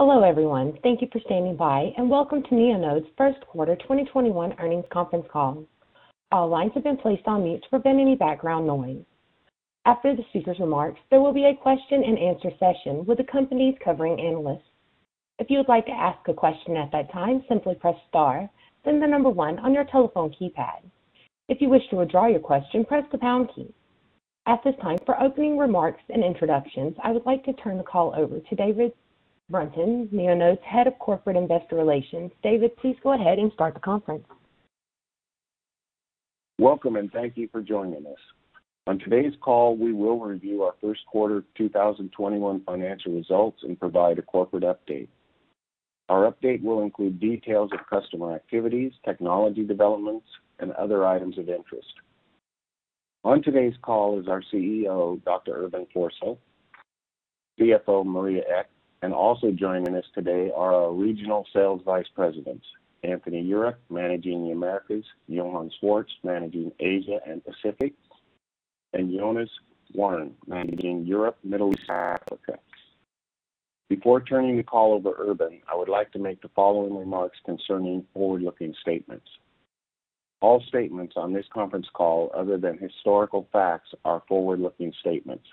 Hello, everyone. Thank you for standing by, and welcome to Neonode's first quarter 2021 earnings conference call. All lines have been placed on mute to prevent any background noise. After the speaker's remarks, there will be a question and answer session with the company's covering analysts. If you would like to ask a question at that time, simply press star, then the number one on your telephone keypad. If you wish to withdraw your question, press the pound key. At this time, for opening remarks and introductions, I would like to turn the call over to David Brunton, Neonode's Head of Corporate Investor Relations. David, please go ahead and start the conference. Welcome, and thank you for joining us. On today's call, we will review our first quarter 2021 financial results and provide a corporate update. Our update will include details of customer activities, technology developments, and other items of interest. On today's call is our CEO, Dr. Urban Forssell, CFO, Maria Ek, and also joining us today are our regional sales vice presidents, Anthony Uhrick, managing the Americas, Johan Swartz, managing Asia and Pacific, and Jonas Wärn, managing Europe, Middle East, and Africa. Before turning the call over to Urban, I would like to make the following remarks concerning forward-looking statements. All statements on this conference call, other than historical facts, are forward-looking statements.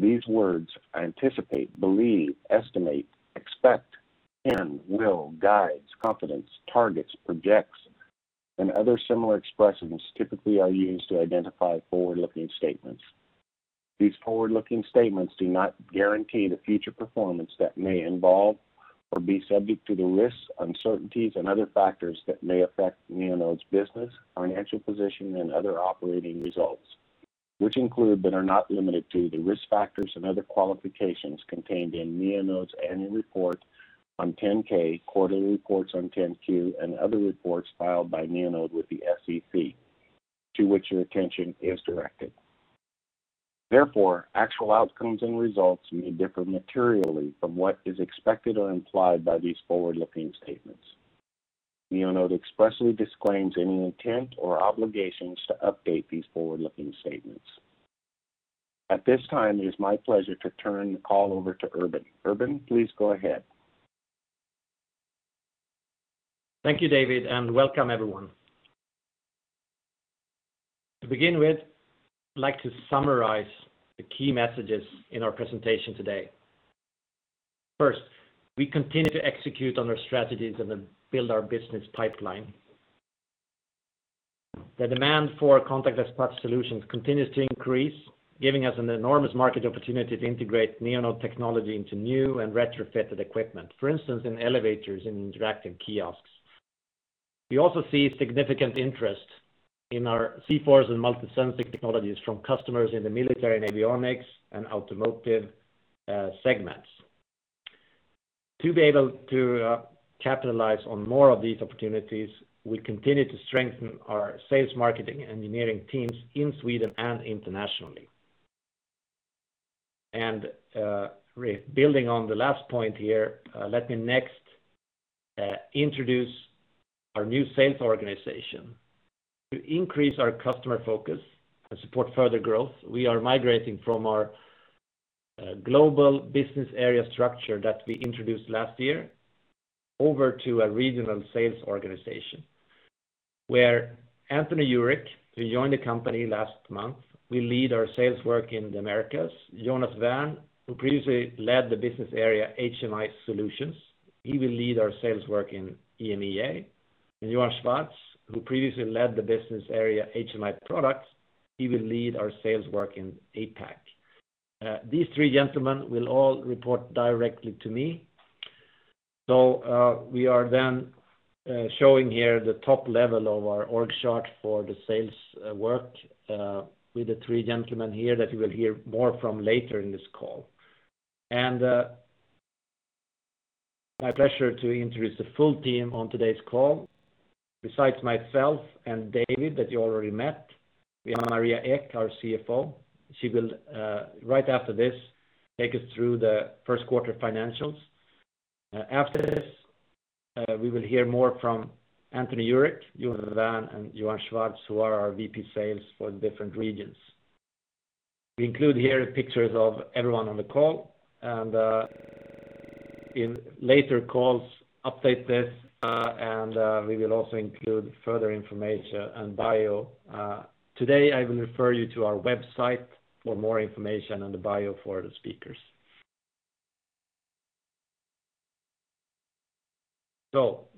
These words, anticipate, believe, estimate, expect, can, will, guides, confidence, targets, projects, and other similar expressions, typically are used to identify forward-looking statements. These forward-looking statements do not guarantee the future performance that may involve or be subject to the risks, uncertainties, and other factors that may affect Neonode's business, financial position, and other operating results, which include, but are not limited to, the risk factors and other qualifications contained in Neonode's annual report on 10-K, quarterly reports on 10-Q, and other reports filed by Neonode with the SEC, to which your attention is directed. Therefore, actual outcomes and results may differ materially from what is expected or implied by these forward-looking statements. Neonode expressly disclaims any intent or obligations to update these forward-looking statements. At this time, it is my pleasure to turn the call over to Urban. Urban, please go ahead. Thank you, David, and welcome everyone. To begin with, I'd like to summarize the key messages in our presentation today. First, we continue to execute on our strategies and then build our business pipeline. The demand for contactless touch solutions continues to increase, giving us an enormous market opportunity to integrate Neonode technology into new and retrofitted equipment, for instance, in elevators and interactive kiosks. We also see significant interest in our zForce and MultiSensing technologies from customers in the military and avionics and automotive segments. To be able to capitalize on more of these opportunities, we continue to strengthen our sales marketing engineering teams in Sweden and internationally. Building on the last point here, let me next introduce our new sales organization. To increase our customer focus and support further growth, we are migrating from our global business area structure that we introduced last year over to a regional sales organization where Anthony Uhrick, who joined the company last month, will lead our sales work in the Americas. Jonas Wärn, who previously led the business area HMI Solutions, he will lead our sales work in EMEA. Johan Swartz, who previously led the business area HMI Products, he will lead our sales work in APAC. These three gentlemen will all report directly to me. We are then showing here the top level of our org chart for the sales work, with the three gentlemen here that you will hear more from later in this call. It's my pleasure to introduce the full team on today's call. Besides myself and David that you already met, we have Maria Ek, our CFO. She will, right after this, take us through the first quarter financials. After this, we will hear more from Anthony Uhrick, Jonas Wärn, and Johan Swartz, who are our VP Sales for the different regions. We include here pictures of everyone on the call, and in later calls, update this, and we will also include further information and bio. Today, I will refer you to our website for more information on the bio for the speakers.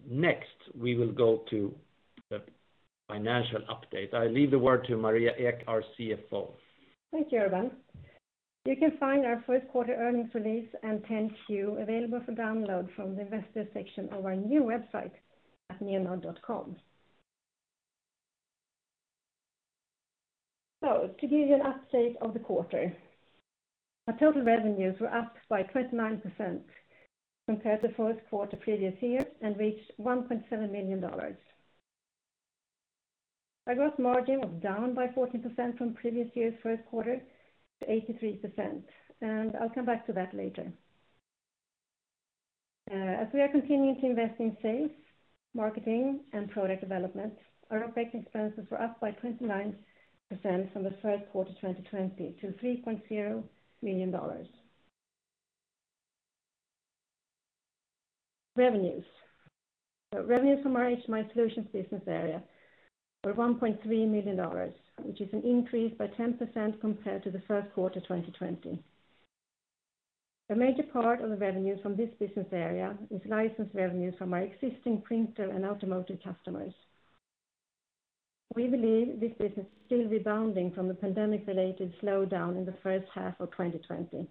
Next, we will go to the financial update. I leave the word to Maria Ek, our CFO. Thank you, Urban. You can find our first quarter earnings release and 10-Q available for download from the investor section of our new website at neonode.com. Our total revenues were up by 29% compared to first quarter previous year and reached $1.7 million. Our gross margin was down by 14% from previous year's first quarter to 83%, and I'll come back to that later. As we are continuing to invest in sales, marketing, and product development, our operating expenses were up by 29% from the first quarter 2020 to $3.0 million. Revenues. Revenues from our HMI Solutions business area were $1.3 million, which is an increase by 10% compared to the first quarter 2020. A major part of the revenues from this business area is license revenues from our existing printer and automotive customers. We believe this business is still rebounding from the pandemic-related slowdown in the first half of 2020.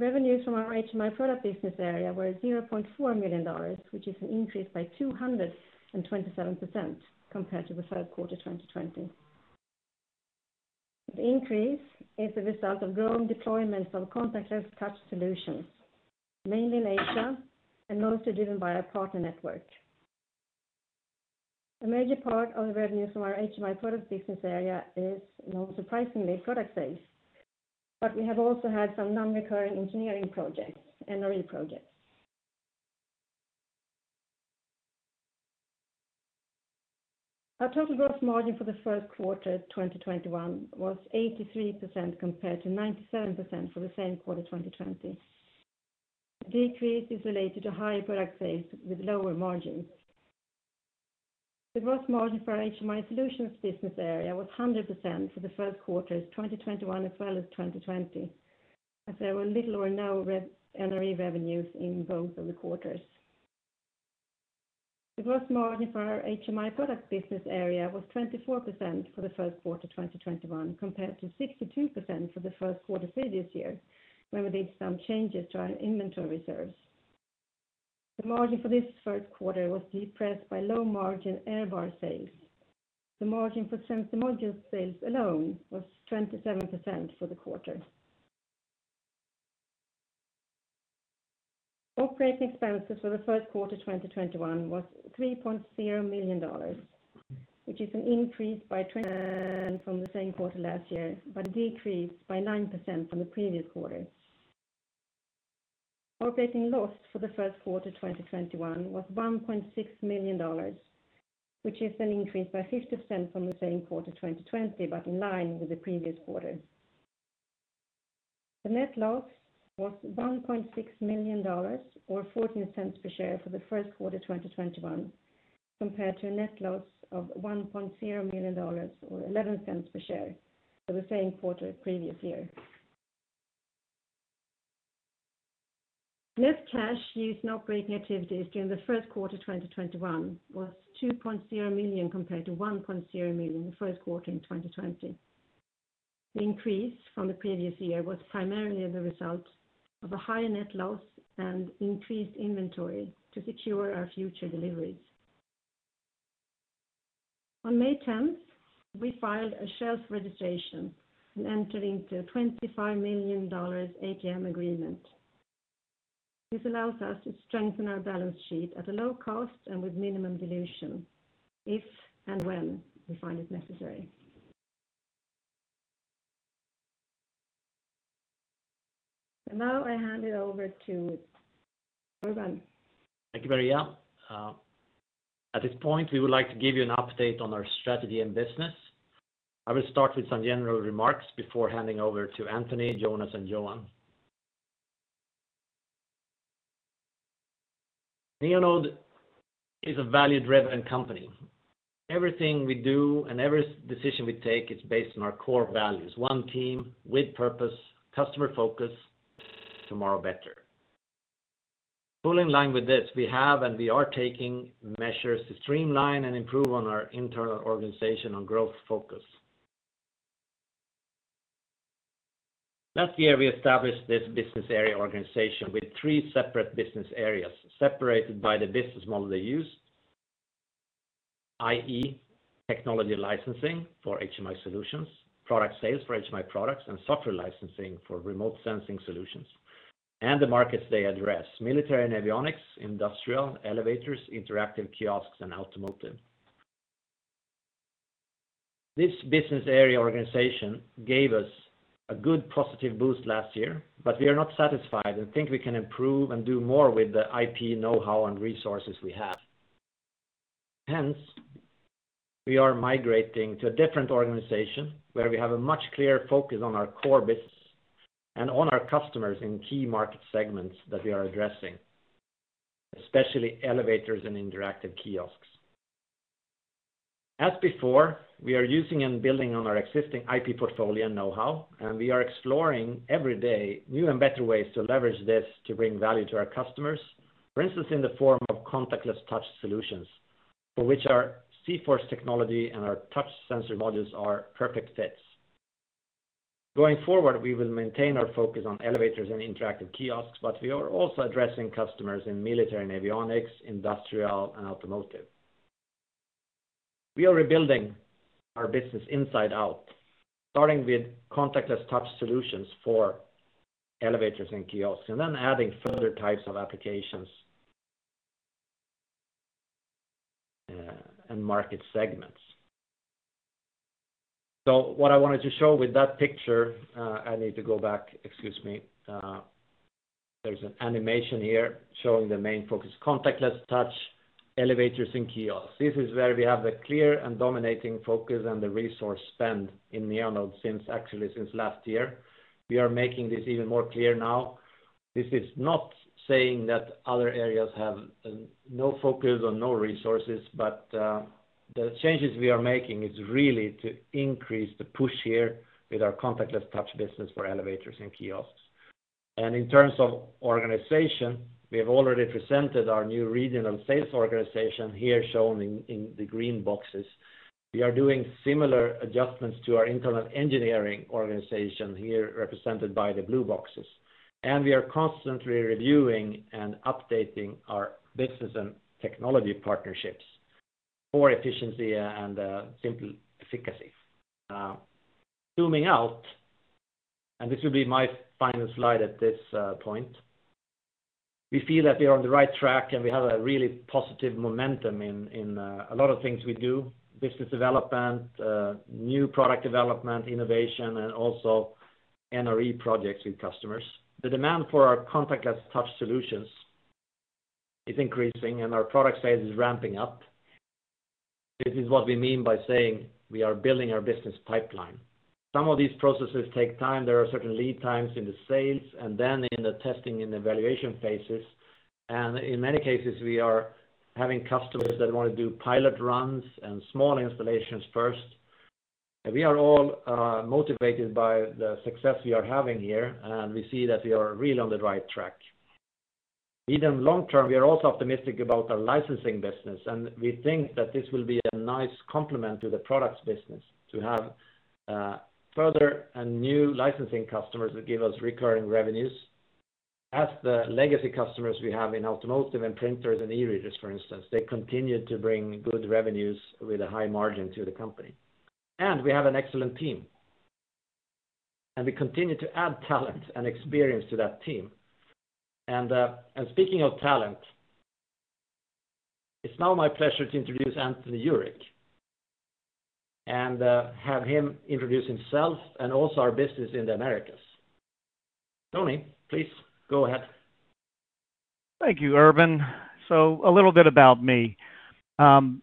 Revenues from our HMI Products business area were $0.4 million, which is an increase by 227% compared to the third quarter 2020. The increase is the result of growing deployments on contactless touch solutions, mainly in Asia and mostly driven by our partner network. A major part of the revenue from our HMI Products business area is, not surprisingly, product sales, but we have also had some non-recurring engineering projects, NRE projects. Our total gross margin for the first quarter 2021 was 83% compared to 97% for the same quarter 2020. The decrease is related to higher product sales with lower margins. The gross margin for our HMI Solutions business area was 100% for the first quarters 2021 as well as 2020, as there were little or no NRE revenues in both of the quarters. The gross margin for our HMI Products business area was 24% for the first quarter 2021, compared to 62% for the first quarter previous year, when we did some changes to our inventory reserves. The margin for this first quarter was depressed by low-margin AirBar sales. The margin for sensor module sales alone was 27% for the quarter. Operating expenses for the first quarter 2021 was $3.0 million, which is an increase by 20% from the same quarter last year, but a decrease by nine percent from the previous quarter. Operating loss for the first quarter 2021 was $1.6 million, which is an increase by 50% from the same quarter 2020, but in line with the previous quarter. The net loss was $1.6 million or $0.14 per share for the first quarter 2021, compared to a net loss of $1.0 million or $0.11 per share for the same quarter previous year. Net cash used in operating activities during the first quarter 2021 was $2.0 million, compared to $1.0 million the first quarter 2020. The increase from the previous year was primarily the result of a higher net loss and increased inventory to secure our future deliveries. On May 10th, we filed a shelf registration and entered into a $25 million ATM agreement. This allows us to strengthen our balance sheet at a low cost and with minimum dilution, if and when we find it necessary. Now I hand it over to Urban. Thank you, Maria. At this point, we would like to give you an update on our strategy and business. I will start with some general remarks before handing over to Anthony, Jonas, and Johan. Neonode is a value-driven company. Everything we do and every decision we take is based on our core values, one team with purpose, customer focus, tomorrow better. Fully in line with this, we have and we are taking measures to streamline and improve on our internal organization on growth focus. Last year, we established this business area organization with three separate business areas separated by the business model they use, i.e. technology licensing for HMI Solutions, product sales for HMI Products, and software licensing for remote sensing solutions, and the markets they address, military and avionics, industrial, elevators, interactive kiosks, and automotive. This business area organization gave us a good positive boost last year, but we are not satisfied and think we can improve and do more with the IP knowhow and resources we have. Hence, we are migrating to a different organization where we have a much clearer focus on our core business and on our customers in key market segments that we are addressing, especially elevators and interactive kiosks. As before, we are using and building on our existing IP portfolio knowhow, and we are exploring every day new and better ways to leverage this to bring value to our customers. For instance, in the form of contactless touch solutions, for which our zForce technology and our touch sensor modules are perfect fits. Going forward, we will maintain our focus on elevators and interactive kiosks, but we are also addressing customers in military and avionics, industrial, and automotive. We are rebuilding our business inside out, starting with contactless touch solutions for elevators and kiosks, then adding further types of applications and market segments. What I wanted to show with that picture, I need to go back, excuse me. There is an animation here showing the main focus, contactless touch, elevators, and kiosks. This is where we have the clear and dominating focus and the resource spend in Neonode since, actually, since last year. We are making this even more clear now. The changes we are making is really to increase the push here with our contactless touch business for elevators and kiosks. In terms of organization, we have already presented our new regional sales organization here shown in the green boxes. We are doing similar adjustments to our internal engineering organization here represented by the blue boxes. We are constantly reviewing and updating our business and technology partnerships for efficiency and simple efficacy. Zooming out, and this will be my final slide at this point. We feel that we are on the right track, and we have a really positive momentum in a lot of things we do, business development, new product development, innovation, and also NRE projects with customers. The demand for our contactless touch solutions is increasing, and our product sales is ramping up. This is what we mean by saying we are building our business pipeline. Some of these processes take time. There are certain lead times in the sales and then in the testing and evaluation phases. In many cases, we are having customers that want to do pilot runs and small installations first. We are all motivated by the success we are having here, and we see that we are really on the right track. Even long-term, we are also optimistic about our licensing business, and we think that this will be a nice complement to the products business to have further and new licensing customers that give us recurring revenues. As the legacy customers we have in automotive and printers and e-readers, for instance, they continue to bring good revenues with a high margin to the company. We have an excellent team, and we continue to add talent and experience to that team. Speaking of talent, it's now my pleasure to introduce Anthony Uhrick and have him introduce himself and also our business in the Americas. Tony, please go ahead. Thank you, Urban. A little bit about me. I'm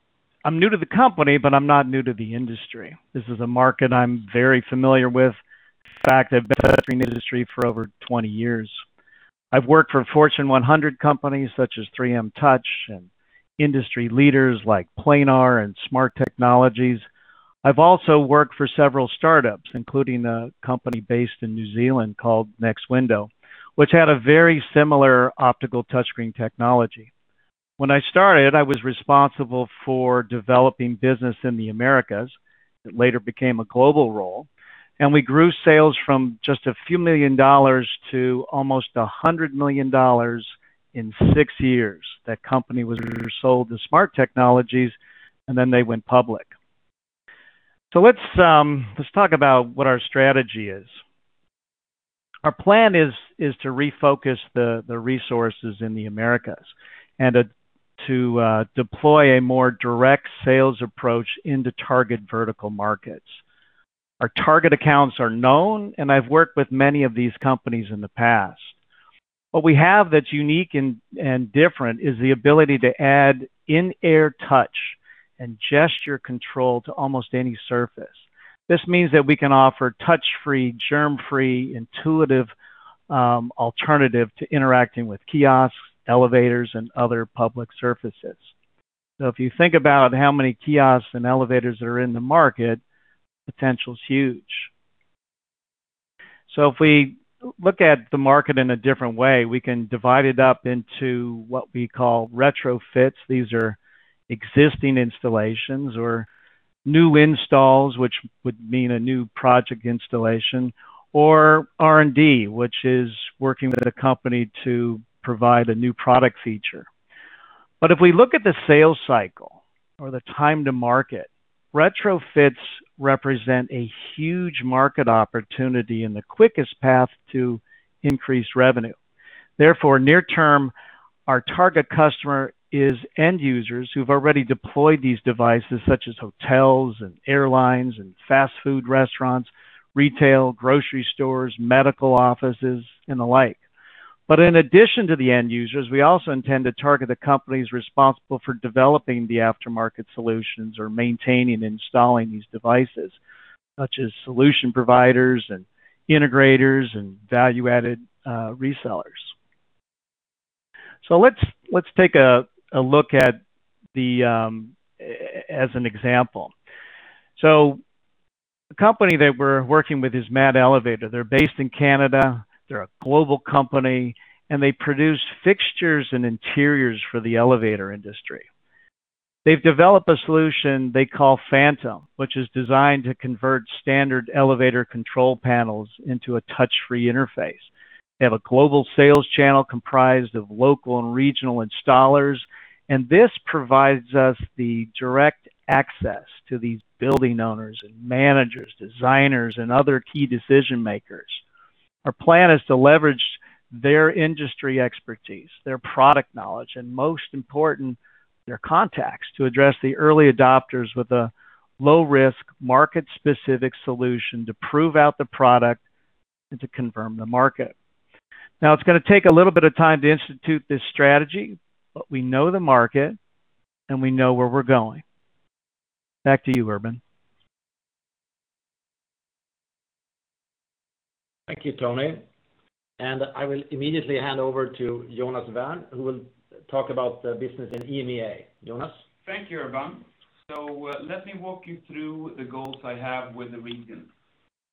new to the company, but I'm not new to the industry. This is a market I'm very familiar with. In fact, I've been in the industry for over 20 years. I've worked for Fortune 100 companies such as 3M Touch and industry leaders like Planar and SMART Technologies. I've also worked for several startups, including a company based in New Zealand called NextWindow, which had a very similar optical touchscreen technology. When I started, I was responsible for developing business in the Americas. It later became a global role, we grew sales from just a few million SEK to almost SEK 100 million in six years. That company was later sold to SMART Technologies, and then they went public. Let's talk about what our strategy is. Our plan is to refocus the resources in the Americas and to deploy a more direct sales approach into target vertical markets. Our target accounts are known, and I've worked with many of these companies in the past. What we have that's unique and different is the ability to add in-air touch and gesture control to almost any surface. This means that we can offer touch-free, germ-free, intuitive alternative to interacting with kiosks, elevators, and other public surfaces. If you think about how many kiosks and elevators are in the market, potential is huge. If we look at the market in a different way, we can divide it up into what we call retrofits. These are existing installations or new installs, which would mean a new project installation or R&D, which is working with a company to provide a new product feature. If we look at the sales cycle or the time to market, retrofits represent a huge market opportunity and the quickest path to increase revenue. Therefore, near term, our target customer is end users who've already deployed these devices, such as hotels and airlines and fast food restaurants, retail, grocery stores, medical offices, and the like. In addition to the end users, we also intend to target the companies responsible for developing the aftermarket solutions or maintaining and installing these devices, such as solution providers and integrators and value-added resellers. Let's take a look at as an example. The company that we're working with is MAD Elevator. They're based in Canada. They're a global company, and they produce fixtures and interiors for the elevator industry. They've developed a solution they call PHANTOM, which is designed to convert standard elevator control panels into a touch-free interface. They have a global sales channel comprised of local and regional installers, and this provides us the direct access to these building owners and managers, designers, and other key decision-makers. Our plan is to leverage their industry expertise, their product knowledge, and most important, their contacts to address the early adopters with a low-risk, market-specific solution to prove out the product and to confirm the market. It's going to take a little bit of time to institute this strategy, but we know the market, and we know where we're going. Back to you, Urban Forssell. Thank you, Tony. I will immediately hand over to Jonas Wärn, who will talk about the business in EMEA. Jonas? Thank you, Urban. Let me walk you through the goals I have with the region.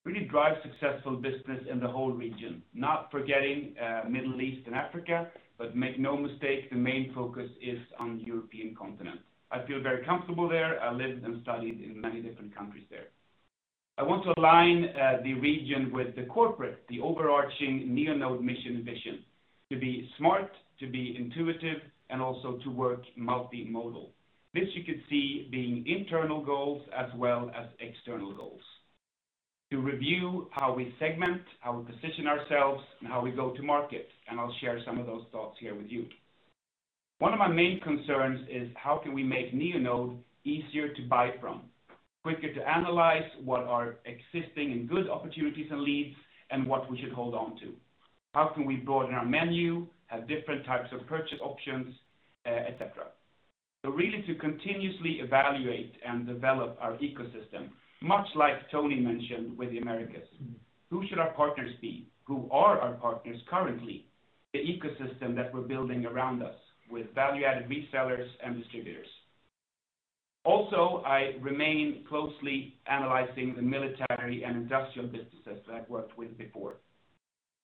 Really drive successful business in the whole region, not forgetting Middle East and Africa, but make no mistake, the main focus is on the European continent. I feel very comfortable there. I lived and studied in many different countries there. I want to align the region with the corporate, the overarching Neonode mission vision: to be smart, to be intuitive, and also to work multimodal. This you could see being internal goals as well as external goals. To review how we segment, how we position ourselves, and how we go to market, and I'll share some of those thoughts here with you. One of my main concerns is how can we make Neonode easier to buy from, quicker to analyze what are existing and good opportunities and leads, and what we should hold on to? How can we broaden our menu, have different types of purchase options, et cetera? Really to continuously evaluate and develop our ecosystem, much like Anthony mentioned with the Americas. Who should our partners be? Who are our partners currently? The ecosystem that we're building around us with value-added resellers and distributors. I remain closely analyzing the military and industrial businesses that I've worked with before.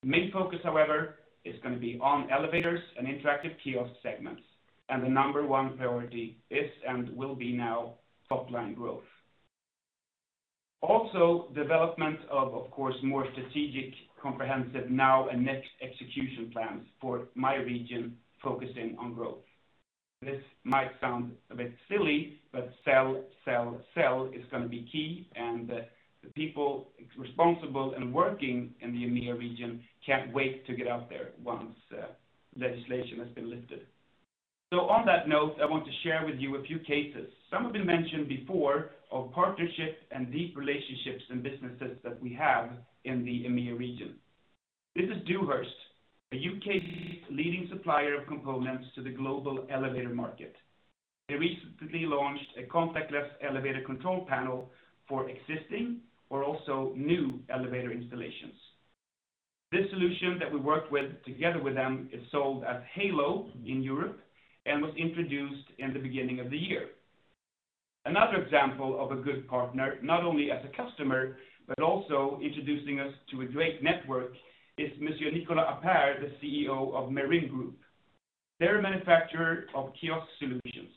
The main focus, however, is going to be on elevators and interactive kiosk segments, and the number one priority is and will be now top-line growth. Development of course, more strategic, comprehensive now and next execution plans for my region, focusing on growth. This might sound a bit silly, but sell, sell is going to be key, and the people responsible and working in the EMEA region can't wait to get out there once legislation has been lifted. On that note, I want to share with you a few cases. Some have been mentioned before of partnerships and deep relationships and businesses that we have in the EMEA region. This is Dewhurst, a U.K. leading supplier of components to the global elevator market. They recently launched a contactless elevator control panel for existing or also new elevator installations. This solution that we worked with together with them is sold as HALO in Europe and was introduced in the beginning of the year. Another example of a good partner, not only as a customer, but also introducing us to a great network, is Monsieur Nicolas Appert, the CEO of Merim Groupe. They're a manufacturer of kiosk solutions.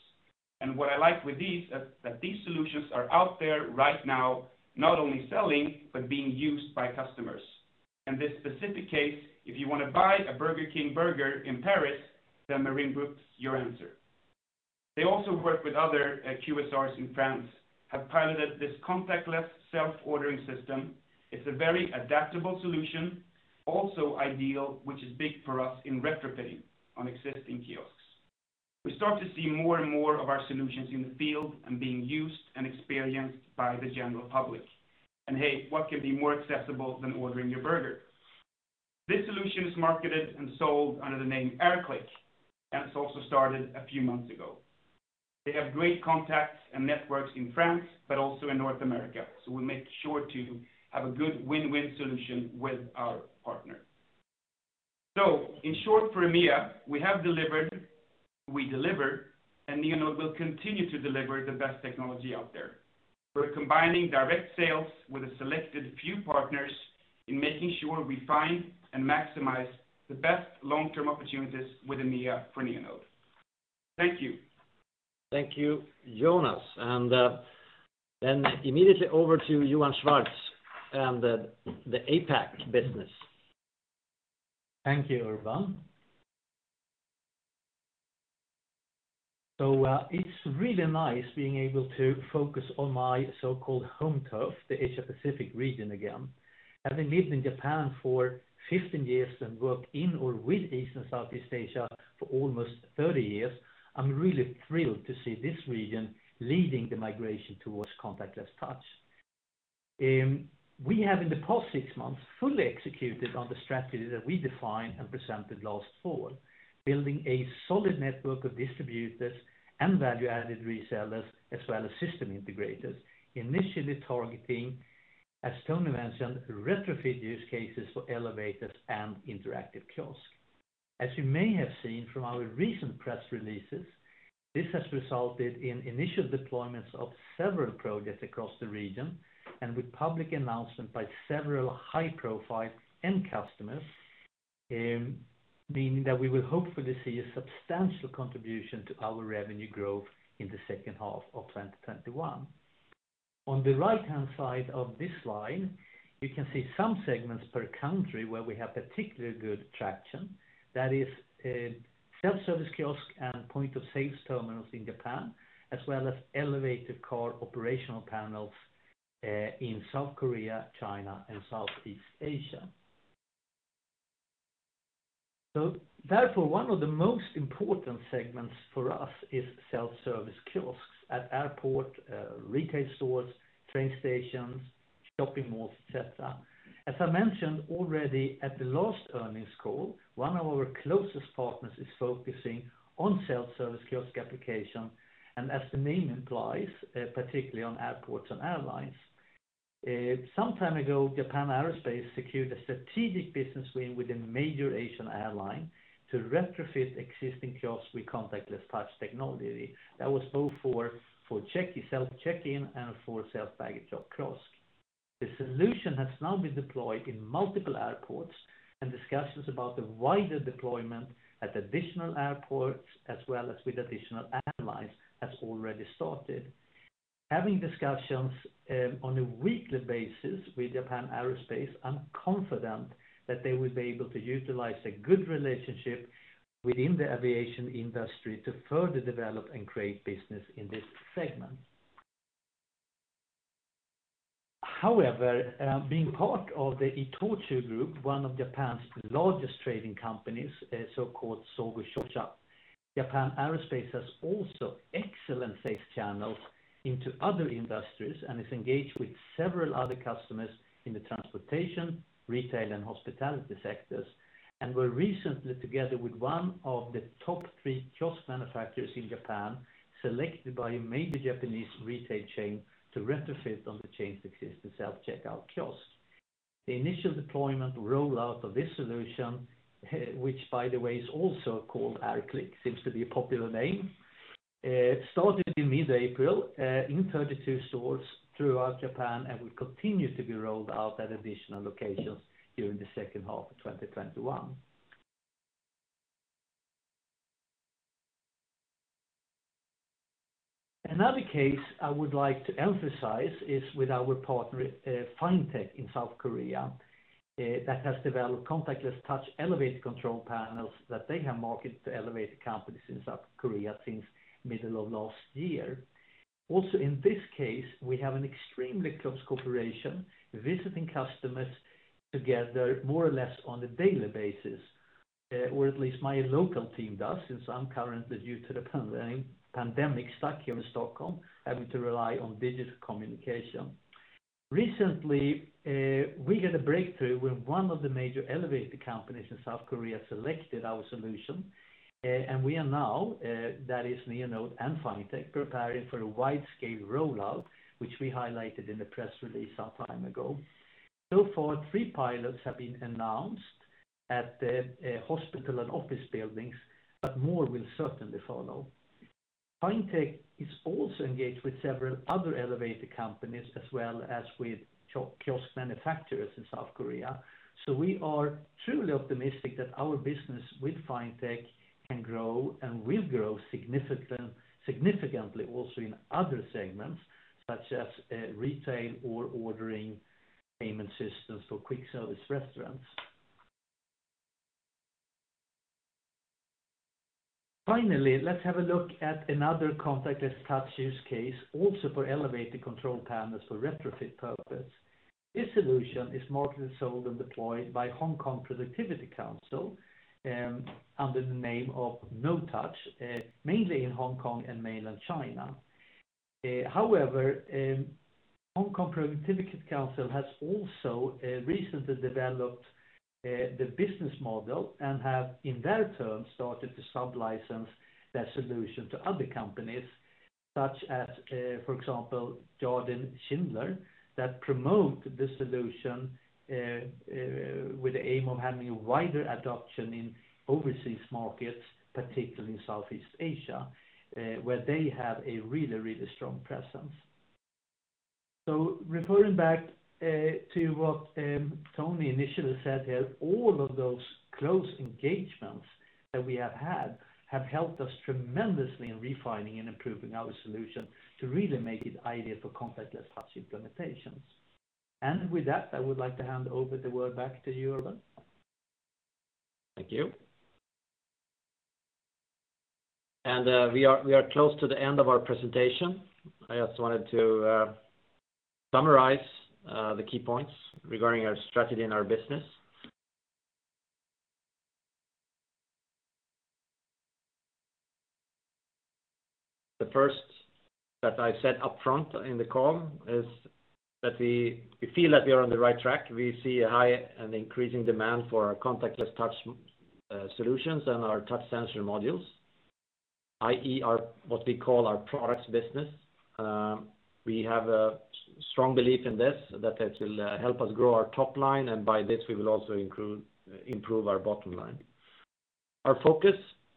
What I like with these is that these solutions are out there right now, not only selling, but being used by customers. In this specific case, if you want to buy a Burger King burger in Paris, then Merim Groupe's your answer. They also work with other QSRs in France, have piloted this contactless self-ordering system. It's a very adaptable solution, also ideal, which is big for us in retrofitting on existing kiosks. We start to see more and more of our solutions in the field and being used and experienced by the general public. Hey, what could be more accessible than ordering your burger? This solution is marketed and sold under the name Air Click, and it's also started a few months ago. They have great contacts and networks in France, but also in North America. We make sure to have a good win-win solution with our partner. In short for EMEA, we have delivered, we deliver, and Neonode will continue to deliver the best technology out there. We're combining direct sales with a selected few partners in making sure we find and maximize the best long-term opportunities with EMEA for Neonode. Thank you. Thank you, Jonas. Immediately over to Johan Swartz and the APAC business. Thank you, Urban. It's really nice being able to focus on my so-called home turf, the Asia-Pacific region again. Having lived in Japan for 15 years and worked in or with East and Southeast Asia for almost 30 years, I'm really thrilled to see this region leading the migration towards contactless touch. We have in the past six months fully executed on the strategy that we defined and presented last fall, building a solid network of distributors and value-added resellers, as well as system integrators, initially targeting, as Tony mentioned, retrofit use cases for elevators and interactive kiosks. As you may have seen from our recent press releases, this has resulted in initial deployments of several projects across the region and with public announcement by several high-profile end customers, meaning that we will hopefully see a substantial contribution to our revenue growth in the second half of 2021. On the right-hand side of this slide, you can see some segments per country where we have particularly good traction. That is self-service kiosk and point-of-sales terminals in Japan, as well as elevator core operational panels in South Korea, China, and Southeast Asia. Therefore, one of the most important segments for us is self-service kiosks at airport retail stores, train stations, shopping malls, et cetera. As I mentioned already at the last earnings call, one of our closest partners is focusing on self-service kiosk application, and as the name implies, particularly on airports and airlines. Some time ago, Japan Aerospace secured a strategic business win with a major Asian airline to retrofit existing kiosks with contactless touch technology that was both for self-check-in and for self-baggage drop kiosk. The solution has now been deployed in multiple airports, and discussions about the wider deployment at additional airports, as well as with additional airlines, has already started. Having discussions on a weekly basis with Japan Aerospace, I'm confident that they will be able to utilize a good relationship within the aviation industry to further develop and create business in this segment. However, being part of the ITOCHU Group, one of Japan's largest trading companies, so-called Sogo Shosha, Japan Aerospace has also excellent sales channels into other industries and is engaged with several other customers in the transportation, retail, and hospitality sectors, and were recently, together with one of the top three kiosk manufacturers in Japan, selected by a major Japanese retail chain to retrofit on the chain's existing self-checkout kiosks. The initial deployment rollout of this solution, which by the way is also called Air Click, seems to be a popular name. It started in mid-April in 32 stores throughout Japan and will continue to be rolled out at additional locations during the second half of 2021. Another case I would like to emphasize is with our partner Finetech in South Korea that has developed contactless touch elevator control panels that they have marketed to elevator companies in South Korea since middle of last year. Also in this case, we have an extremely close cooperation, visiting customers together more or less on a daily basis, or at least my local team does, since I'm currently due to the pandemic, stuck here in Stockholm, having to rely on digital communication. Recently, we had a breakthrough when one of the major elevator companies in South Korea selected our solution, and we are now, that is Neonode and Finetech, preparing for a wide-scale rollout, which we highlighted in the press release some time ago. Far, three pilots have been announced at the hospital and office buildings, but more will certainly follow. Finetech is also engaged with several other elevator companies as well as with kiosk manufacturers in South Korea, so we are truly optimistic that our business with Finetech can grow and will grow significantly also in other segments such as retail or ordering payment systems for quick service restaurants. Finally, let's have a look at another contactless touch use case also for elevator control panels for retrofit purpose. This solution is marketed, sold, and deployed by Hong Kong Productivity Council under the name of kNOw Touch, mainly in Hong Kong and mainland China. Hong Kong Productivity Council has also recently developed the business model and have in their turn started to sub-license their solution to other companies such as, for example, Jardine Schindler Group, that promote the solution with the aim of having a wider adoption in overseas markets, particularly in Southeast Asia, where they have a really strong presence. Referring back to what Tony initially said here, all of those close engagements that we have had have helped us tremendously in refining and improving our solution to really make it ideal for contactless touch implementations. With that, I would like to hand over the word back to you, Urban. Thank you. We are close to the end of our presentation. I just wanted to summarize the key points regarding our strategy and our business. The first that I said upfront in the call is that we feel that we are on the right track. We see a high and increasing demand for our contactless touch solutions and our touch sensor modules, i.e., what we call our products business. We have a strong belief in this that it will help us grow our top line, and by this we will also improve our bottom line. Our focus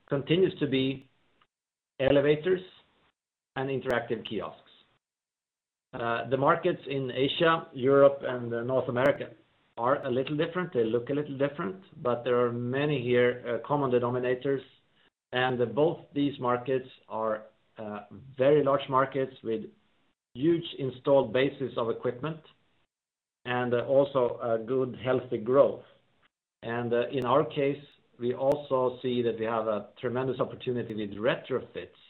continues to be elevators and interactive kiosks. The markets in Asia, Europe, and North America are a little different. They look a little different, but there are many common denominators, and both these markets are very large markets with huge installed bases of equipment and also good, healthy growth. In our case, we also see that we have a tremendous opportunity with retrofits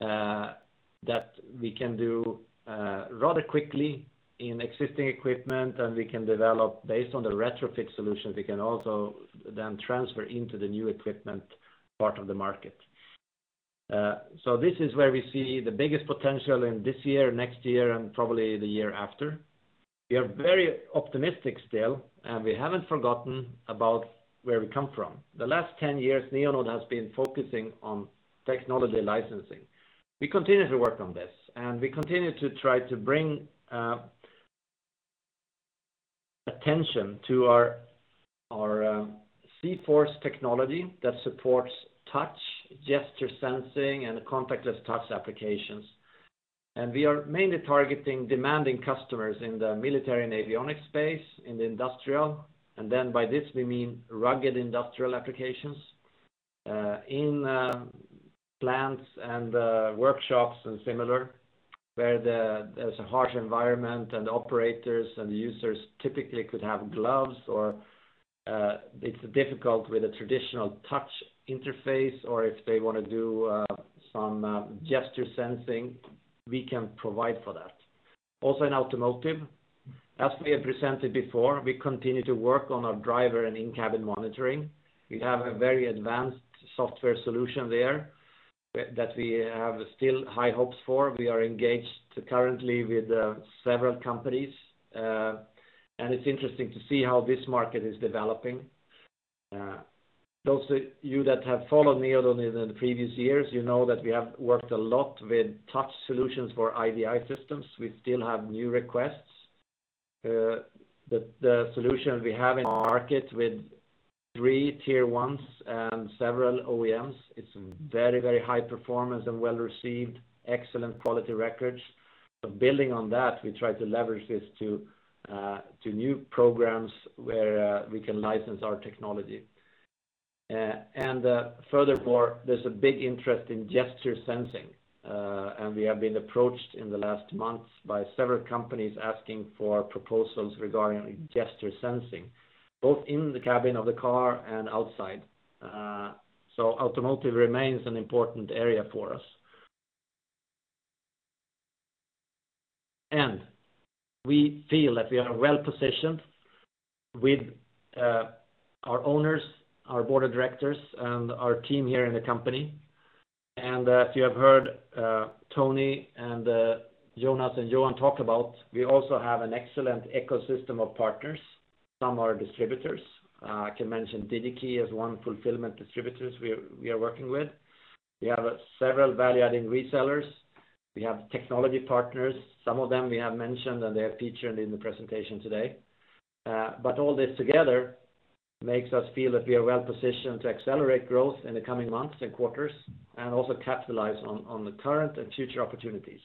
that we can do rather quickly in existing equipment, and we can develop based on the retrofit solutions. We can also then transfer into the new equipment part of the market. This is where we see the biggest potential in this year, next year, and probably the year after. We are very optimistic still, and we haven't forgotten about where we come from. The last 10 years, Neonode has been focusing on technology licensing. We continue to work on this, and we continue to try to bring attention to our zForce technology that supports touch, gesture sensing, and contactless touch applications. We are mainly targeting demanding customers in the military and avionics space, in the industrial. By this, we mean rugged industrial applications in plants and workshops and similar, where there's a harsh environment and the operators and users typically could have gloves, or it's difficult with a traditional touch interface, or if they want to do some gesture sensing, we can provide for that. Also in automotive, as we have presented before, we continue to work on our driver and in-cabin monitoring. We have a very advanced software solution there that we have still high hopes for. We are engaged currently with several companies, and it's interesting to see how this market is developing. Those of you that have followed Neonode in the previous years, you know that we have worked a lot with touch solutions for IVI systems. We still have new requests. The solution we have in the market with three Tier Ones and several OEMs, it's very high performance and well-received, excellent quality records. Building on that, we try to leverage this to new programs where we can license our technology. Furthermore, there's a big interest in gesture sensing. We have been approached in the last months by several companies asking for proposals regarding gesture sensing, both in the cabin of the car and outside. Automotive remains an important area for us. We feel that we are well-positioned with our owners, our board of directors, and our team here in the company. As you have heard Anthony and Jonas and Johan talk about, we also have an excellent ecosystem of partners. Some are distributors. I can mention Digi-Key as one fulfillment distributors we are working with. We have several value-adding resellers. We have technology partners. Some of them we have mentioned, and they are featured in the presentation today. All this together makes us feel that we are well-positioned to accelerate growth in the coming months and quarters, and also capitalize on the current and future opportunities.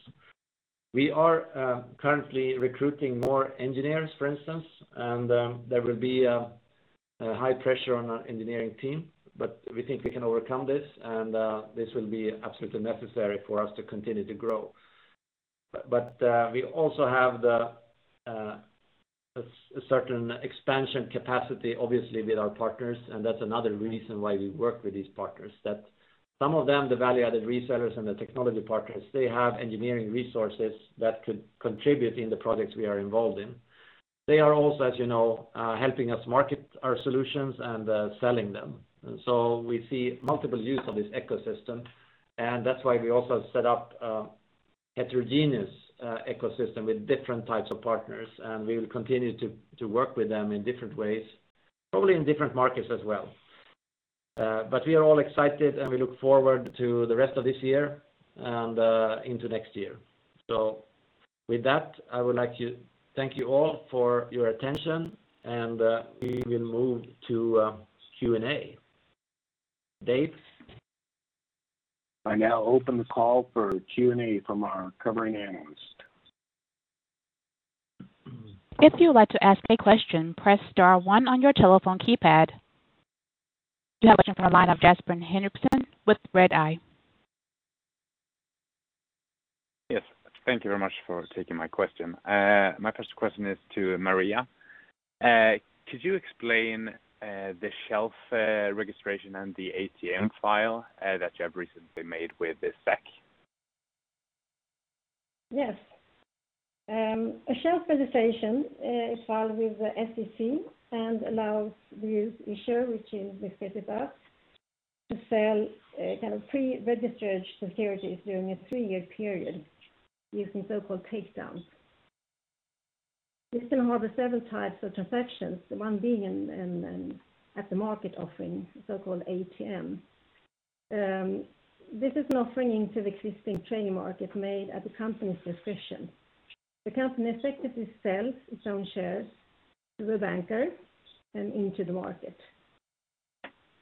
We are currently recruiting more engineers, for instance, and there will be a high pressure on our engineering team, but we think we can overcome this, and this will be absolutely necessary for us to continue to grow. We also have a certain expansion capacity, obviously, with our partners, and that's another reason why we work with these partners. That some of them, the value-added resellers and the technology partners, they have engineering resources that could contribute in the projects we are involved in. They are also, as you know, helping us market our solutions and selling them. We see multiple use of this ecosystem, and that's why we also set up a heterogeneous ecosystem with different types of partners, and we will continue to work with them in different ways, probably in different markets as well. We are all excited, and we look forward to the rest of this year and into next year. With that, I would like to thank you all for your attention, and we will move to Q&A. Dave? I now open the call for Q&A from our covering analysts. If you would like to ask a question, press star one on your telephone keypad. We now have a question from the line of Jesper Henriksen with Redeye. Yes. Thank you very much for taking my question. My first question is to Maria. Could you explain the shelf registration and the ATM file that you have recently made with the SEC? Yes. A shelf registration is filed with the SEC and allows the issuer, which is the creditor, to sell kind of pre-registered securities during a three-year period using so-called takedowns. This can harbor several types of transactions, one being an at-the-market offering, so-called ATM. This is an offering into the existing trading market made at the company's discretion. The company effectively sells its own shares to a banker and into the market.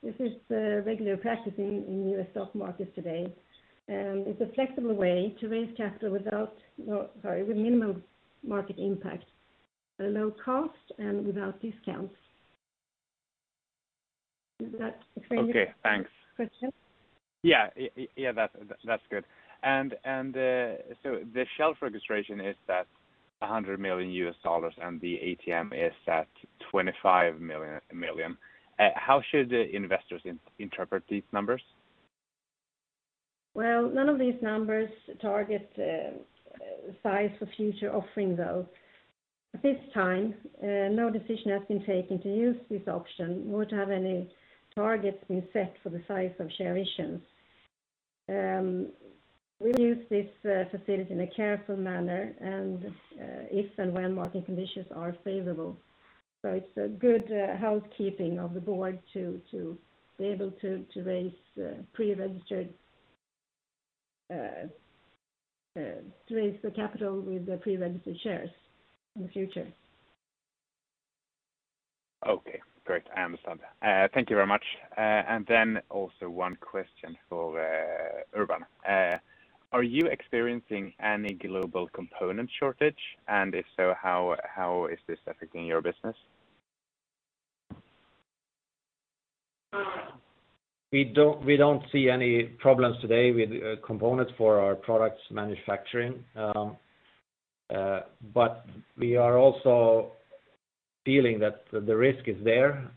This is a regular practice in U.S. stock markets today. It's a flexible way to raise capital with minimum market impact, at a low cost and without discounts. Does that frame your- Okay, thanks. question? Yeah. That's good. The shelf registration is that SEK 100 million, and the ATM is at 25 million. How should investors interpret these numbers? None of these numbers target the size for future offerings, though. At this time, no decision has been taken to use this option, nor to have any targets being set for the size of share issues. We'll use this facility in a careful manner and if and when market conditions are favorable. It's a good housekeeping of the board to be able to raise the capital with the pre-registered shares in the future. Okay, great. I understand. Thank you very much. Also one question for Urban. Are you experiencing any global component shortage? If so, how is this affecting your business? We don't see any problems today with components for our products manufacturing. We are also feeling that the risk is there.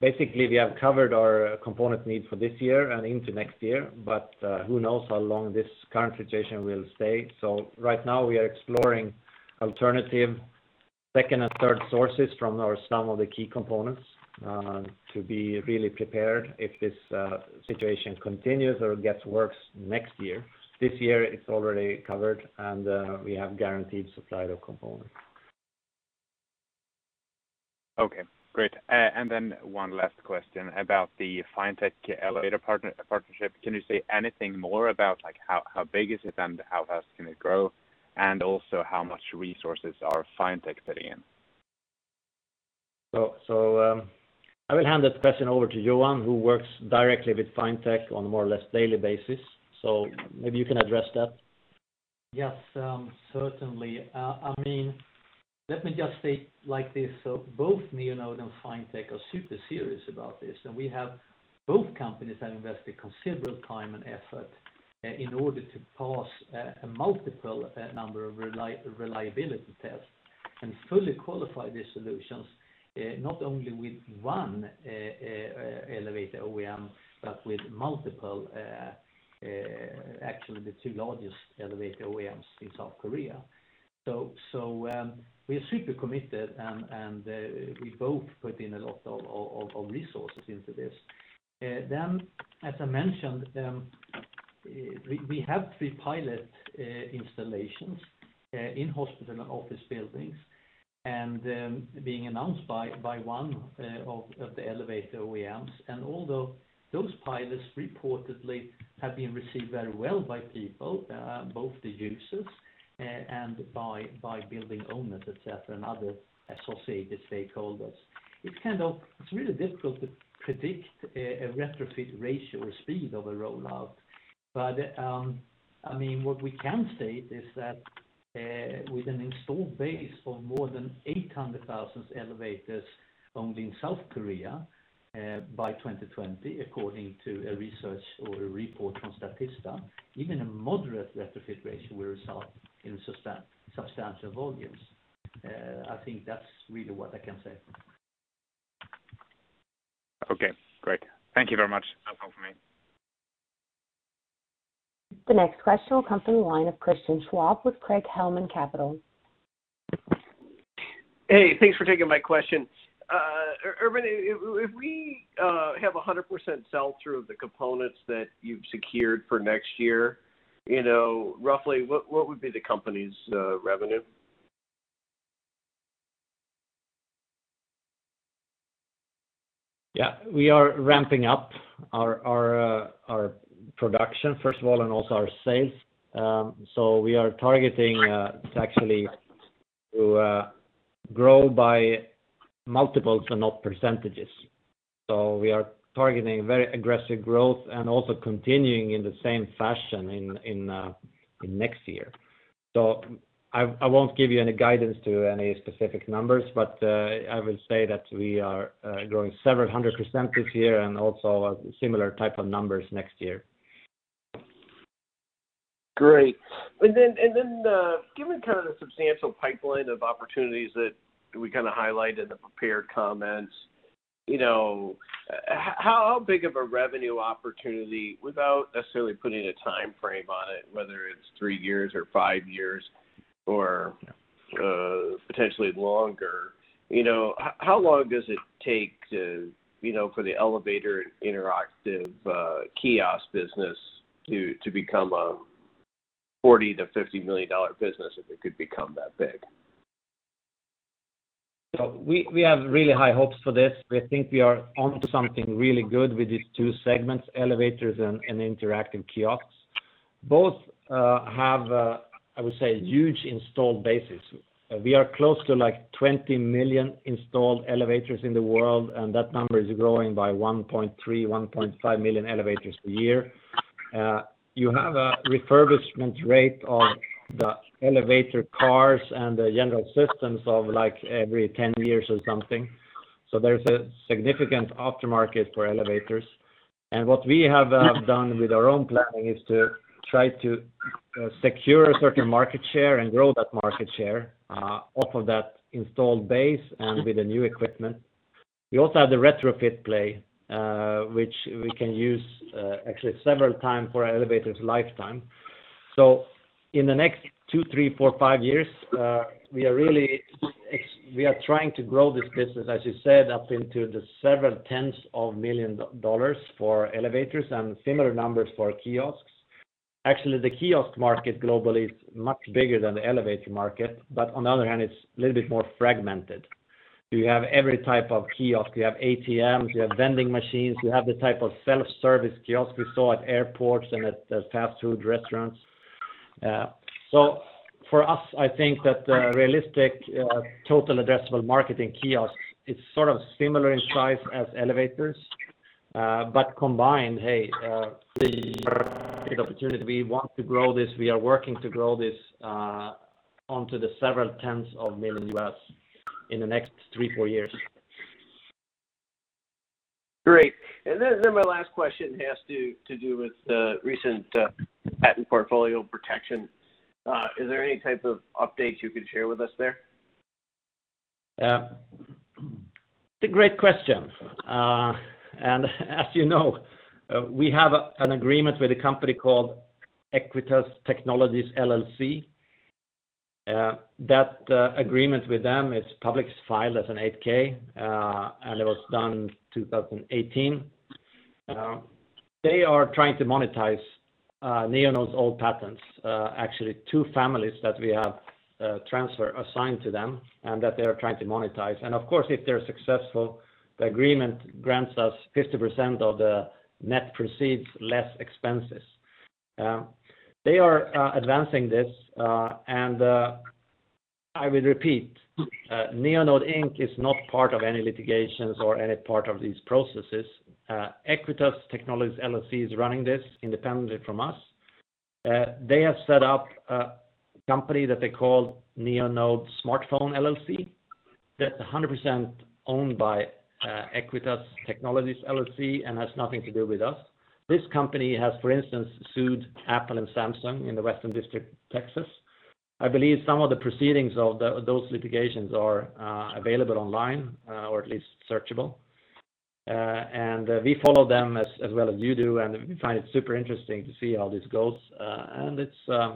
Basically, we have covered our component need for this year and into next year, but who knows how long this current situation will stay. Right now we are exploring alternative second and third sources from some of the key components, to be really prepared if this situation continues or gets worse next year. This year, it's already covered, and we have guaranteed supply of components. Okay, great. One last question about the Finetech elevator partnership. Can you say anything more about how big is it and how fast can it grow? How much resources are Finetech putting in? I will hand that question over to Johan, who works directly with Finetech on a more or less daily basis. Maybe you can address that. Yes, certainly. Let me just state like this, both Neonode and Finetech are super serious about this. Both companies have invested considerable time and effort in order to pass a multiple number of reliability tests and fully qualify these solutions, not only with one elevator OEM, but with multiple, actually the two largest elevator OEMs in South Korea. We are super committed and we both put in a lot of resources into this. As I mentioned, we have three pilot installations in hospital and office buildings and being announced by one of the elevator OEMs. Although those pilots reportedly have been received very well by people, both the users and by building owners, et cetera, and other associated stakeholders, it's really difficult to predict a retrofit ratio or speed of a rollout. What we can state is that with an installed base of more than 800,000 elevators only in South Korea by 2020, according to a research or a report from Statista, even a moderate retrofit ratio will result in substantial volumes. I think that's really what I can say. Okay, great. Thank you very much. That's all for me. The next question will come from the line of Christian Schwab with Craig-Hallum Capital. Hey, thanks for taking my question. Urban, if we have 100% sell-through of the components that you've secured for next year, roughly, what would be the company's revenue? Yeah. We are ramping up our production, first of all, and also our sales. We are targeting to actually to grow by multiples and not percentages. We are targeting very aggressive growth and also continuing in the same fashion in next year. I won't give you any guidance to any specific numbers, but I will say that we are growing 700% this year and also a similar type of numbers next year. Great. Then, given the substantial pipeline of opportunities that we highlighted in the prepared comments, how big of a revenue opportunity, without necessarily putting a timeframe on it, whether it's three years or five years, or potentially longer, how long does it take for the elevator interactive kiosk business to become a $40 million-$50 million business, if it could become that big? We have really high hopes for this. We think we are onto something really good with these two segments, elevators and interactive kiosks. Both have, I would say, huge installed bases. We are close to 20 million installed elevators in the world, and that number is growing by one point three, one point five million elevators a year. You have a refurbishment rate of the elevator cars and the general systems of every 10 years or something. There's a significant aftermarket for elevators. What we have done with our own planning is to try to secure a certain market share and grow that market share off of that installed base and with the new equipment. We also have the retrofit play which we can use actually several times for our elevator's lifetime. In the next two, three, four, five years, we are trying to grow this business, as you said, up into the several tens of millions of dollars for elevators and similar numbers for kiosks. Actually, the kiosk market globally is much bigger than the elevator market. On the other hand, it's a little bit more fragmented. You have every type of kiosk. You have ATMs, you have vending machines, you have the type of self-service kiosks we saw at airports and at fast food restaurants. For us, I think that the realistic total addressable market in kiosks is sort of similar in size as elevators. Combined, hey, this is a big opportunity. We want to grow this. We are working to grow this onto the several tens of million US in the next three, four years. Great. My last question has to do with the recent patent portfolio protection. Is there any type of update you could share with us there? It's a great question. As you know, we have an agreement with a company called Aequitas Technologies LLC. That agreement with them is publicly filed as an 8-K, and it was done 2018. They are trying to monetize Neonode's old patents. Actually, two families that we have assigned to them and that they are trying to monetize. Of course, if they're successful, the agreement grants us 50% of the net proceeds, less expenses. They are advancing this. I will repeat, Neonode Inc. is not part of any litigations or any part of these processes. Aequitas Technologies LLC is running this independently from us. They have set up a company that they call Neonode Smartphone LLC, that's 100% owned by Aequitas Technologies LLC, and has nothing to do with us. This company has, for instance, sued Apple and Samsung in the Western District of Texas. I believe some of the proceedings of those litigations are available online or at least searchable. We follow them as well as you do, and we find it super interesting to see how this goes. It's a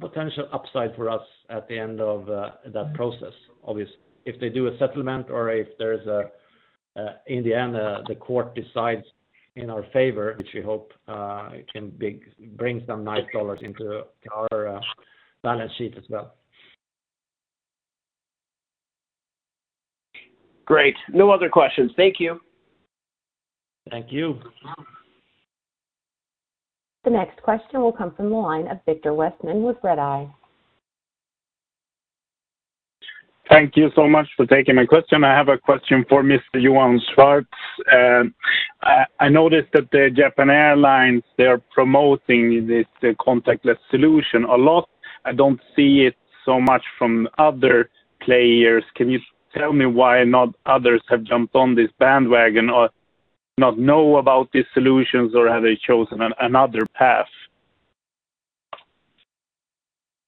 potential upside for us at the end of that process. Obviously, if they do a settlement or if, in the end, the court decides in our favor, which we hope can bring some nice dollars into our balance sheet as well. Great. No other questions. Thank you. Thank you. The next question will come from the line of Viktor Westman with Redeye. Thank you so much for taking my question. I have a question for Mr. Johan Swartz. I noticed that the Japan Airlines, they are promoting this contactless solution a lot. I don't see it so much from other players. Can you tell me why not others have jumped on this bandwagon or not know about these solutions, or have they chosen another path?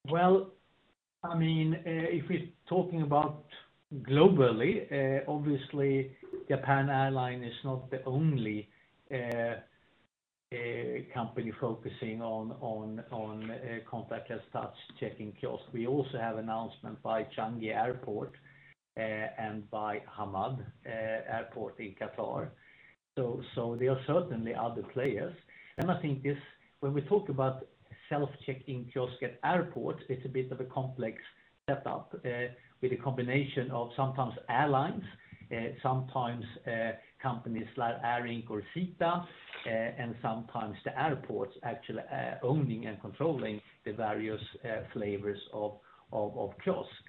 If we're talking about globally, obviously Japan Airlines is not the only company focusing on contactless touch check-in kiosks. We also have announcement by Changi Airport, and by Hamad Airport in Qatar. There are certainly other players. I think when we talk about self-check-in kiosk at airports, it's a bit of a complex setup with a combination of sometimes airlines, sometimes companies like ARINC or SITA, and sometimes the airports actually owning and controlling the various flavors of kiosk.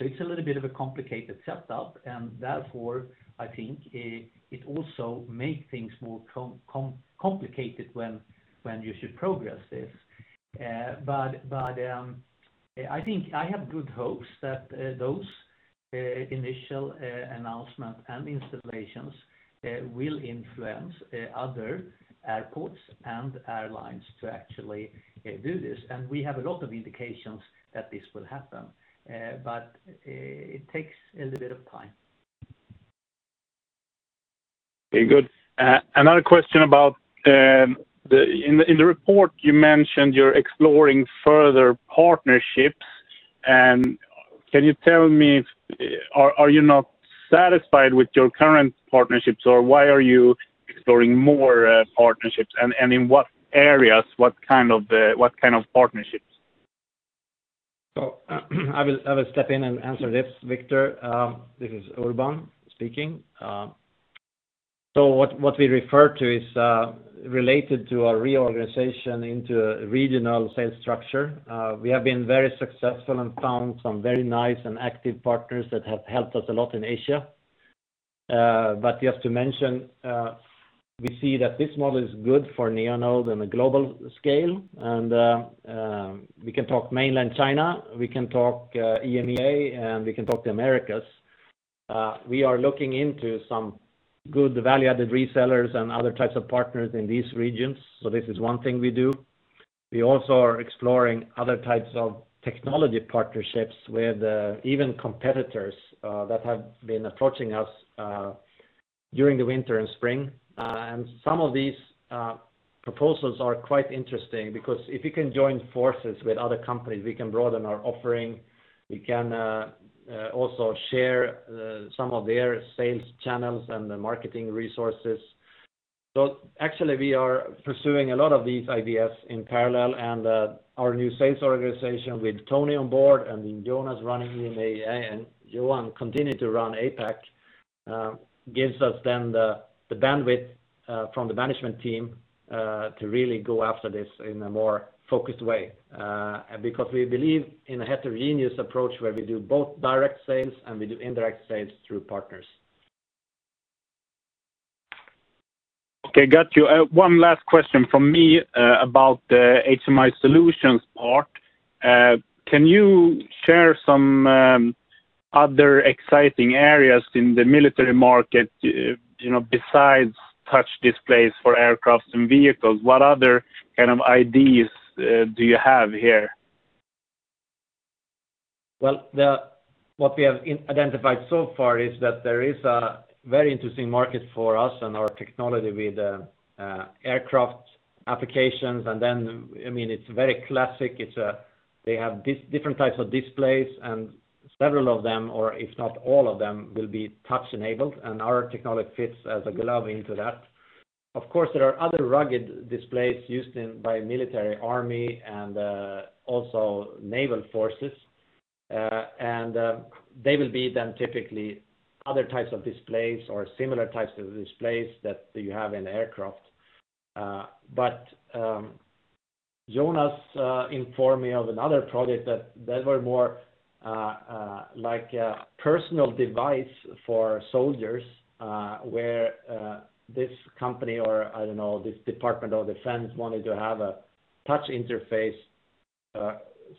It's a little bit of a complicated setup, and therefore, I think it also make things more complicated when you should progress this. I have good hopes that those initial announcement and installations will influence other airports and airlines to actually do this. We have a lot of indications that this will happen. It takes a little bit of time. Okay, good. Another question about in the report you mentioned you're exploring further partnerships. Can you tell me, are you not satisfied with your current partnerships, or why are you exploring more partnerships? In what areas? What kind of partnerships? I will step in and answer this, Viktor. This is Urban speaking. What we refer to is related to our reorganization into a regional sales structure. We have been very successful and found some very nice and active partners that have helped us a lot in Asia. Just to mention, we see that this model is good for Neonode on a global scale. We can talk mainland China, we can talk EMEA, and we can talk the Americas. We are looking into some good value-added resellers and other types of partners in these regions. This is one thing we do. We also are exploring other types of technology partnerships with even competitors that have been approaching us during the winter and spring. Some of these proposals are quite interesting because if you can join forces with other companies, we can broaden our offering. We can also share some of their sales channels and the marketing resources. Actually, we are pursuing a lot of these ideas in parallel and our new sales organization with Tony on board and then Jonas running EMEA and Johan continue to run APAC gives us then the bandwidth from the management team to really go after this in a more focused way. We believe in a heterogeneous approach where we do both direct sales and we do indirect sales through partners. Okay, got you. One last question from me about the HMI Solutions part. Can you share some other exciting areas in the military market, besides touch displays for aircraft and vehicles? What other kind of ideas do you have here? Well, what we have identified so far is that there is a very interesting market for us and our technology with aircraft applications. It's very classic. They have different types of displays, and several of them, or if not all of them, will be touch-enabled, and our technology fits as a glove into that. Of course, there are other rugged displays used by military army and also naval forces. They will be typically other types of displays or similar types of displays that you have in aircraft. Jonas informed me of another project that were more like a personal device for soldiers, where this company, or I don't know, this Department of Defense wanted to have a touch interface,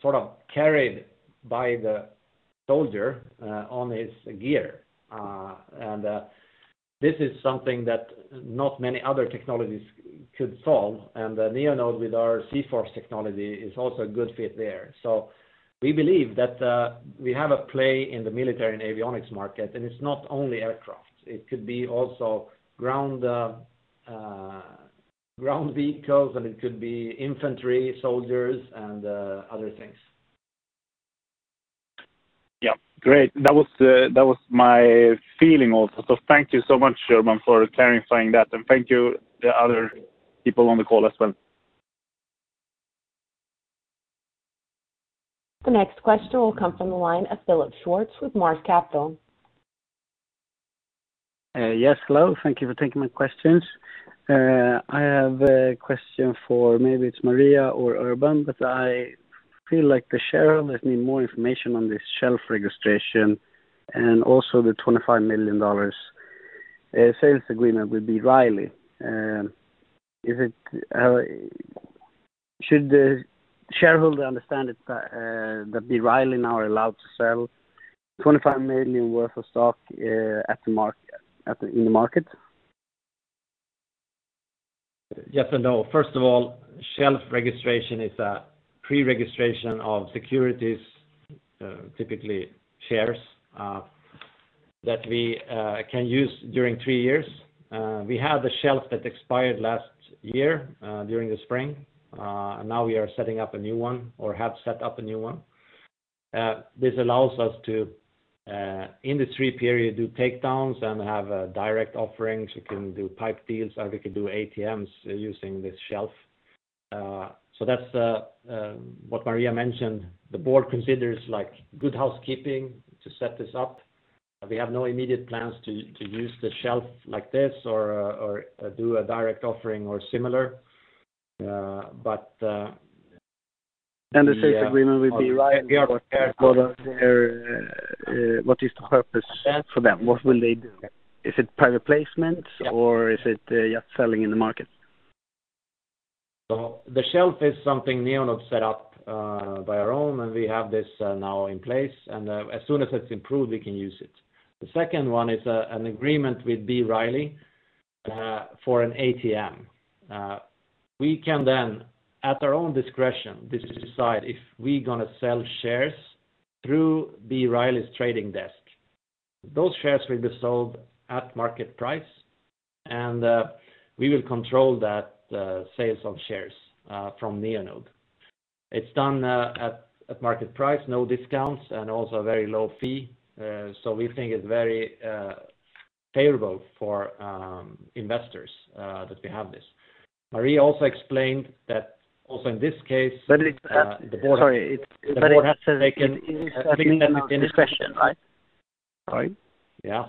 sort of carried by the soldier on his gear. This is something that not many other technologies could solve, and Neonode with our zForce technology is also a good fit there. We believe that we have a play in the military and avionics market, and it's not only aircraft. It could be also ground vehicles, and it could be infantry soldiers and other things. Yeah. Great. That was my feeling also. Thank you so much, Urban, for clarifying that. Thank you to other people on the call as well. The next question will come from the line of Philip Schwartz with Mars Capital. Yes, hello. Thank you for taking my questions. I have a question for maybe it's Maria or Urban, but I feel like the shareholders need more information on this shelf registration and also the $25 million sales agreement with B. Riley. Should the shareholder understand it that B. Riley now are allowed to sell 25 million worth of stock in the market? Yes and no. First of all, shelf registration is a pre-registration of securities, typically shares, that we can use during three years. We have the shelf that expired last year, during the spring. We are setting up a new one or have set up a new one. This allows us to, in the three-period, do takedowns and have direct offerings. We can do PIPE deals, or we can do ATMs using this shelf. That's what Maria mentioned, the board considers good housekeeping to set this up. We have no immediate plans to use the shelf like this or do a direct offering or similar. The sales agreement with B. Riley, what is the purpose for them? What will they do? Is it private placement, or is it just selling in the market? The shelf is something Neonode set up by our own, and we have this now in place. As soon as it's approved, we can use it. The second one is an agreement with B. Riley for an ATM. We can then, at our own discretion, decide if we're going to sell shares through B. Riley's trading desk. Those shares will be sold at market price, and we will control that sales of shares from Neonode. It's done at market price, no discounts, and also a very low fee. We think it's very favorable for investors that we have this. Maria also explained that also in this case. Sorry. It has to take in discretion, right? Yeah.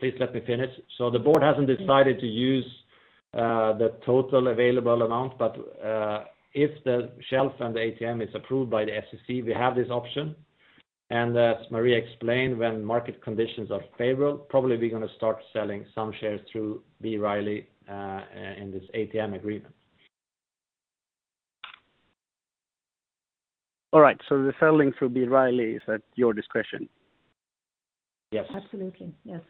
Please let me finish. The board hasn't decided to use the total available amount. If the shelf and the ATM is approved by the SEC, we have this option. As Maria explained, when market conditions are favorable, probably we're going to start selling some shares through B. Riley in this ATM agreement. All right. The selling through B. Riley is at your discretion? Yes. Absolutely. Yes.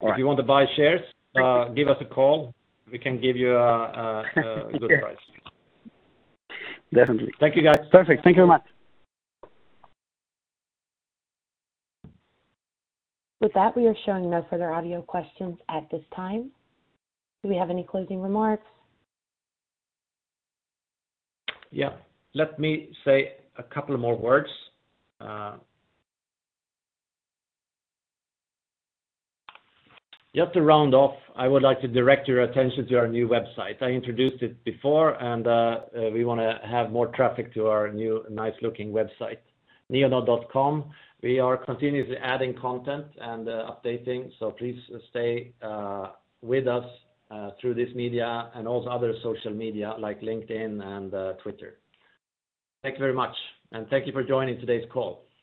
All right. If you want to buy shares, give us a call. We can give you a good price. Definitely. Thank you, guys. Perfect. Thank you very much. We are showing no further audio questions at this time. Do we have any closing remarks? Let me say a couple more words. Just to round off, I would like to direct your attention to our new website. I introduced it before, and we want to have more traffic to our new nice-looking website, neonode.com. We are continuously adding content and updating, so please stay with us through this media and also other social media like LinkedIn and Twitter. Thank you very much, and thank you for joining today's call.